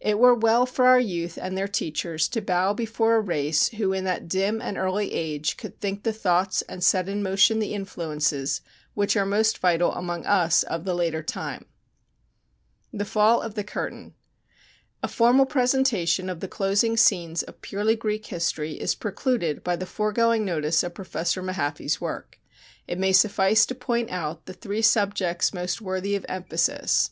It were well for our youth and their teachers to bow before a race who in that dim and early age could think the thoughts and set in motion the influences which are most vital among us of the later time. The Fall of the Curtain. A formal presentation of the closing scenes of purely Greek history is precluded by the foregoing notice of Professor Mahaffy's work. It may suffice to point out the three subjects most worthy of emphasis.